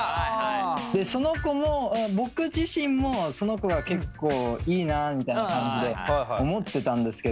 その子も僕自身もその子が結構いいなみたいな感じで思ってたんですけど。